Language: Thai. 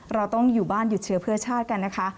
เราต้องอยู่บ้านหยุดเชื้อเพื่อชาติกันนะคะ